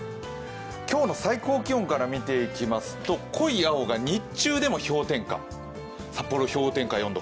今日の最高気温から見ていきますと、濃い青は日中でも氷点下、札幌、氷点下４度。